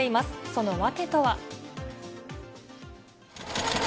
その訳とは。